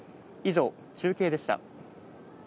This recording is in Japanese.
以上、中継でした。